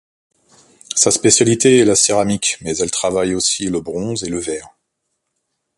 Sa spécialité est la céramique, mais elle travaille aussi le bronze et le verre.